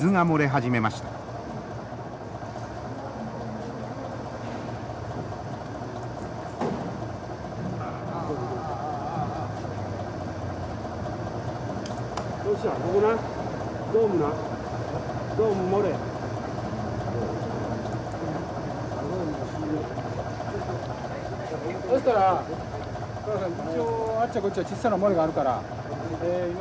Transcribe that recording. そしたらあっちゃこっちゃちっさな漏れがあるから。